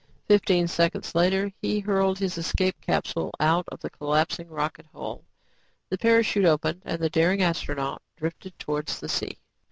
Fifteen seconds later, he hurtled his escape capsule out of the collapsing rocket hull. The parachute opened and the daring astronaut drifted towards the sea.